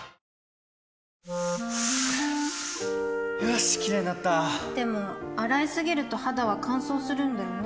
よしキレイになったでも、洗いすぎると肌は乾燥するんだよね